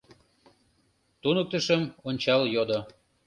Туныктышым ончал йодо: